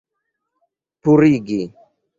purigi